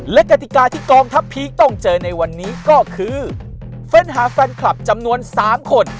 และกติกาที่กองทัพพีคต้องเจอในวันนี้ก็คือเฟ้นหาแฟนคลับจำนวน๓คน